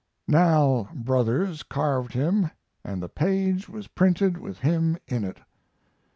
Nahl Bros. carved him and the page was printed with him in it.